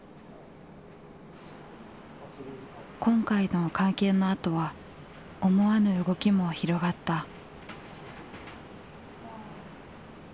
今回の会見のあとは思わぬ動きも広がった。